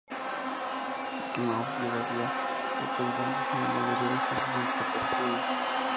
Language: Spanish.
Mickey Mouse llevaría estos guantes en la mayoría de sus siguientes apariciones.